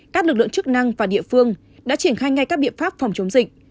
các lực lượng chức năng và địa phương đã triển khai ngay các biện pháp phòng chống dịch